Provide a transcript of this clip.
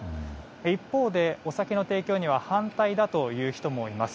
一方でお酒の提供には反対だという人もいます。